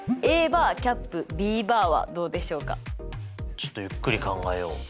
ちょっとゆっくり考えよう。